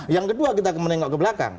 yang kedua kita akan menengok ke belakang